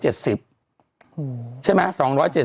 ใช่ไหม๒๗๐บาท